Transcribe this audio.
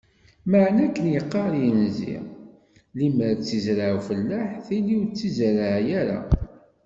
Meεna akken iqqar yinzi: limmer i tt-iẓra ufellaḥ tili ur tt-izerreɛ ara.